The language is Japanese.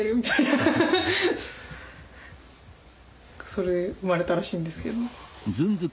それで生まれたらしいんですけど。